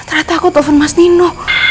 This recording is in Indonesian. ternyata aku telepon mas nino